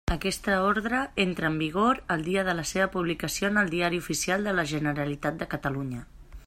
Aquesta Ordre entra en vigor el dia de la seva publicació en el Diari Oficial de la Generalitat de Catalunya.